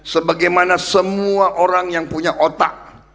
sebagaimana semua orang yang punya otak